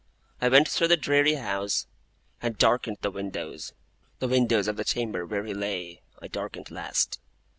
I went through the dreary house, and darkened the windows. The windows of the chamber where he lay, I darkened last.